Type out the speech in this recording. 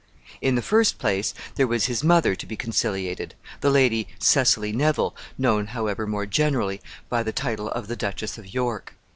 In the first place, there was his mother to be conciliated, the Lady Cecily Neville, known, however, more generally by the title of the Duchess of York.